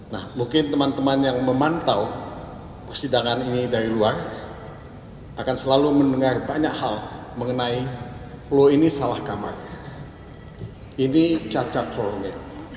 nah mungkin teman teman yang memantau persidangan ini dari luar akan selalu mendengar banyak hal mengenai lo ini salah kamar ini cacat formil